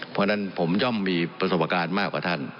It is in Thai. เพราะฉะนั้นผมย่อมมีประสบการณ์มากกว่าท่าน